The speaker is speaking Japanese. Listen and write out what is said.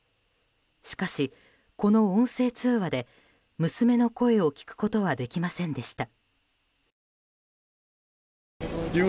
しかし、この音声通話で娘の声を聞くことはできませんでした。